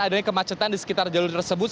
adanya kemacetan di sekitar jalur tersebut